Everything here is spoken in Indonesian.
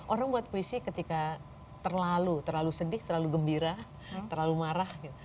orang buat puisi ketika terlalu sedih terlalu gembira terlalu marah gitu